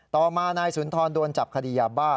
ต่อมานายสุนทรโดนจับคดียาบ้า